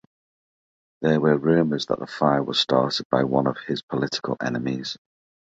There were rumors that the fire was started by one of his political enemies.